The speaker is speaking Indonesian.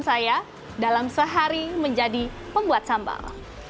saya dalam sehari menjadi pembuat sambal